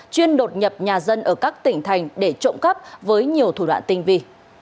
chuyên đột nhập nhà dân ở các tỉnh thành để trộm cắp với nhiều thủ đoạn tinh vi